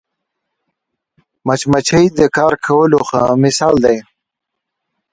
مچمچۍ د کار کولو ښه مثال دی